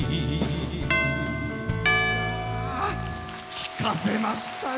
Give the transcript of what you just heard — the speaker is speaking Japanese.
聴かせましたよ